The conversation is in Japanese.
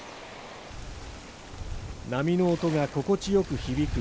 波の音が心地よく響く